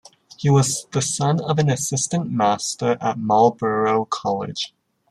He was the son of an assistant master at Marlborough College.